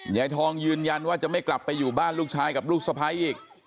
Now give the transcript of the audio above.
ยายทองยืนยันว่าจะไม่กลับไปอยู่บ้านลูกชายกับลูกสะพ้ายอีก